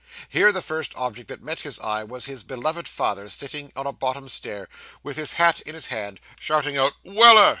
Here, the first object that met his eyes was his beloved father sitting on a bottom stair, with his hat in his hand, shouting out 'Weller!